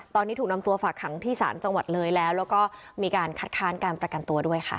ตอนนี้ถูกนำตัวฝากขังที่ศาลจังหวัดเลยแล้วแล้วก็มีการคัดค้านการประกันตัวด้วยค่ะ